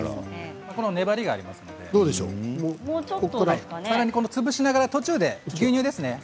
粘りがありますので潰しながら途中で牛乳ですね。